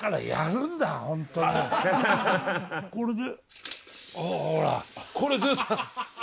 これで。